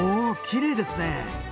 きれいですね！